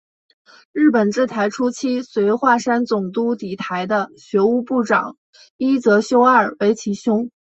日本治台初期随桦山总督抵台的学务部长伊泽修二为其兄。